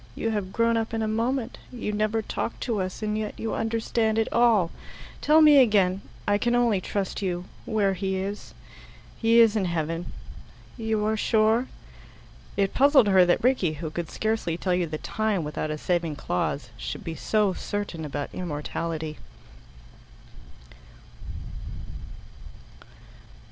"You have grown up in a moment. You never talked to us, and yet you understand it all. Tell me again I can only trust you where he is." "He is in heaven." "You are sure?" It puzzled her that Rickie, who could scarcely tell you the time without a saving clause, should be so certain about immortality.